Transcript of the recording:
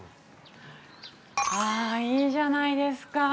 あ、いいじゃないですか。